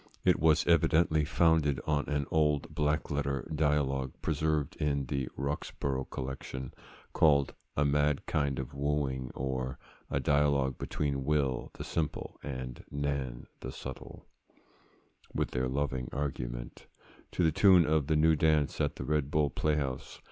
It was evidently founded on an old black letter dialogue preserved in the Roxburgh collection, called A Mad Kinde of Wooing; or, a Dialogue between Will the Simple and Nan the Subtill, with their loving argument. To the tune of the New Dance at the Red Bull Playhouse.